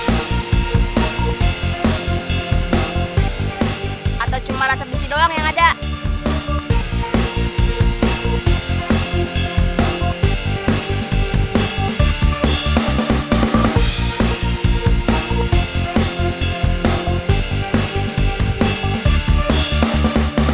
atau cuma rasa benci doang yang ada